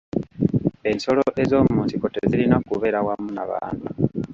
Ensolo ez'omu nsiko tezirina kubeera wamu n'abantu.